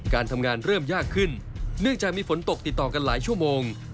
การทำงานเริ่มยากขึ้นเนื่องจากมีฝนตกติดต่อกันหลายชั่วโมง